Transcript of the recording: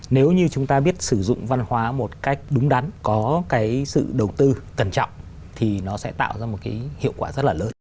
nếu như chúng ta biết sử dụng văn hóa một cách đúng đắn có cái sự đầu tư cẩn trọng thì nó sẽ tạo ra một cái hiệu quả rất là lớn